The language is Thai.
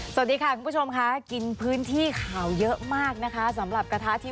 ก็บอกเขาไปเดินเขาไปดูที่สิงคโปร์แล้วเห็นว่าราคาประมาณนี้